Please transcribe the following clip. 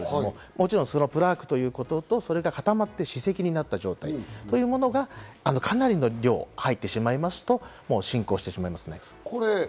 もちろんプラークということと、固まって歯石になった状態というものがかなりの量が入ってしまいますと、進行してしまいますね。